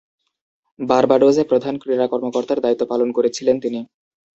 বার্বাডোসে প্রধান ক্রীড়া কর্মকর্তার দায়িত্ব পালন করেছিলেন তিনি।